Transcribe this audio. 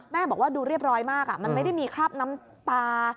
บอกว่าดูเรียบร้อยมากมันไม่ได้มีคราบน้ำตา